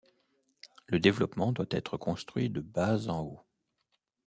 Le développement doit être construit de bas en haut.